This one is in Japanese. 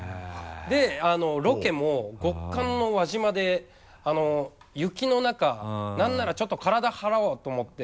でロケも極寒の輪島で雪の中なんならちょっと体張ろうと思って。